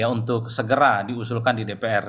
untuk segera diusulkan di dpr